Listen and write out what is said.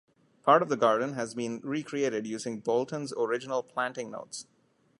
Part of the garden has been recreated using Boulton's original planting notes.